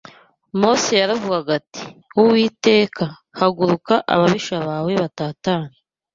Mose yaravugaga ati: “Uwiteka, haguruka ababisha bawe batatane